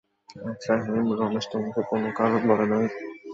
আচ্ছা হেম, রমেশ তোমাকে কোনো কারণ বলে নাই?